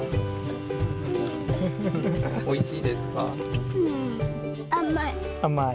おいしいですか？